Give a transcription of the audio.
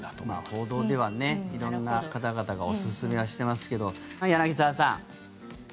報道では色んな方々がおすすめはしてますけど柳澤さん。